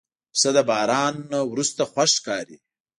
پسه د باران نه وروسته خوښ ښکاري.